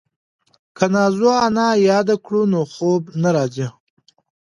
که نازو انا یاده کړو نو خوب نه راځي.